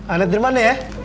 anak diri mana ya